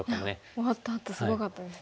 終わったあとすごかったですね。